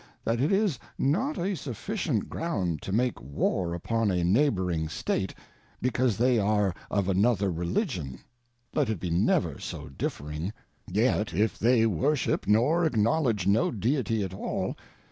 That it is not a sufficient ground to make War upon a^Neighbouring StateTbecauselhey are'oF another Religion^ let it be_ never so differing • yet if they Worship^noj Ackngvdgdgs^no Deity at «.lly~.